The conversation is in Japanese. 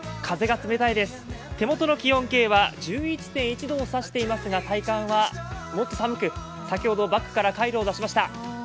風が冷たいです、手元の気温計は１１．１度を指していますが体感はもっと寒く、先ほどバッグからカイロを出しました。